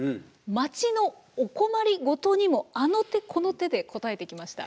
町のお困り事にもあの手この手で応えてきました。